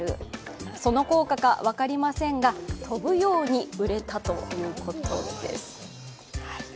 その効果か分かりませんが、飛ぶように売れたということです。